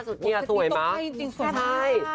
สุดพ้ายสุดพ้าย